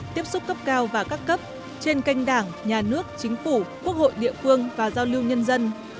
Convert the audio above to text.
tiếp xúc cấp cao và các cấp trên kênh đảng nhà nước chính phủ quốc hội địa phương và giao lưu nhân dân